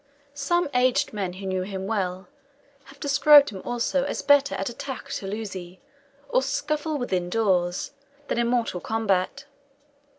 Some aged men who knew him well, have described him also as better at a taich tulzie, or scuffle within doors, than in mortal combat.